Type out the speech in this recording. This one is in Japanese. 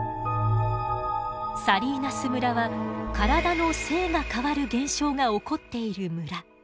サリーナス村は体の性が変わる現象が起こっている村。